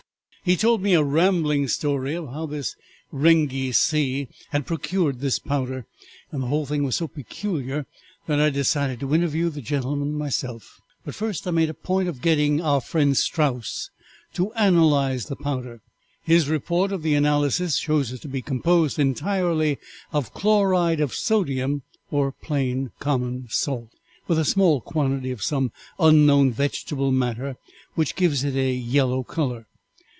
He told me a rambling story of how this Rengee Sing had procured this powder, and the whole thing was so peculiar that I decided to interview the gentleman myself; but first I made a point of getting our friend Strauss to analyze the powder. His report of the analysis shows it to be composed entirely of chloride of sodium or common salt, with a small quantity of some unknown vegetable matter which gives it a yellow color.